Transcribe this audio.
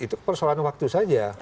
itu persoalan waktu saja